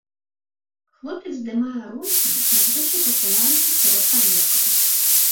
Хлопец здымае ролікі, надзвычай папулярныя сярод падлеткаў.